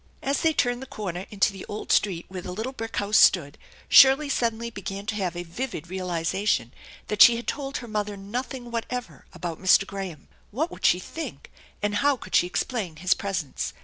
As they turned the corner into the old street where the little brick house stood, Shirley suddenly began to have a vivid realization that she had told her mother nothing what ever about Mr. Graham. What would she think, and how could she explain his presence?